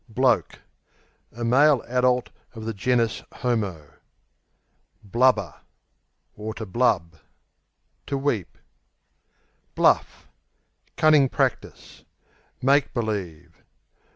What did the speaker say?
Bloke A male adult of the genus homo. Blubber, blub To weep. Bluff Cunning practice; make believe.